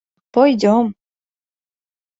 — Пойдем...